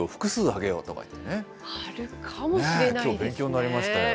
きょう、勉強になりましたよ。